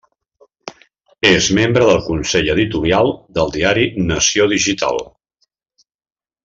És membre del Consell Editorial del diari Nació Digital.